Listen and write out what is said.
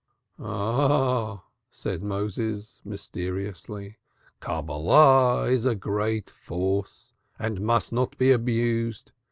"Oh," said Moses mysteriously. "Cabalah is a great force and must not be abused.